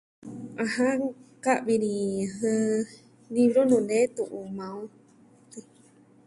ɨjɨn, ka'vi ni livru nuu nee tu'un maa on.